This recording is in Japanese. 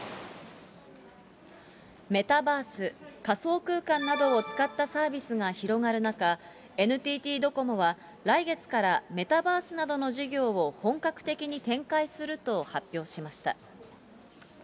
メタバース・仮想空間などを使ったサービスが広がる中、ＮＴＴドコモは、来月からメタバースなどの事業を本格的に展開すると発表しました。